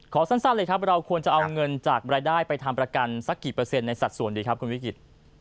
สั้นเลยครับเราควรจะเอาเงินจากรายได้ไปทำประกันสักกี่เปอร์เซ็นต์ในสัดส่วนดีครับคุณวิกฤต